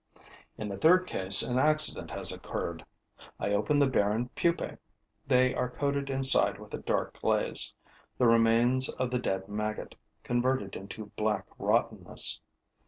In the third case, an accident has occurred. I open the barren pupae. They are coated inside with a dark glaze, the remains of the dead maggot converted into black rottenness.